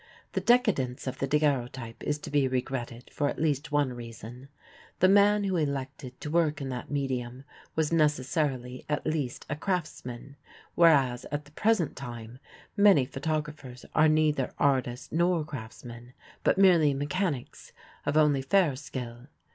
The decadence of the daguerreotype is to be regretted for at least one reason, the man who elected to work in that medium was necessarily at least a craftsman, whereas at the present time many photographers are neither artists nor craftsmen, but merely mechanics of only fair skill.